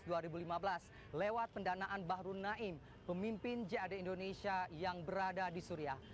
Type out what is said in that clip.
pada tahun dua ribu lima belas lewat pendanaan bahru naim pemimpin jad indonesia yang berada di syria